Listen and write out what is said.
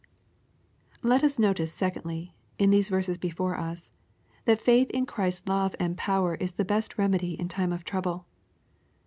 Let us notice, secondly, in the verses before us, that faith in Ghrisf^a love and power is the best remedy in time of trouble.